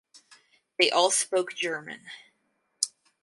They all spoke German.